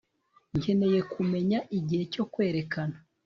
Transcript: Nkeneye kumenya igihe cyo kwerekana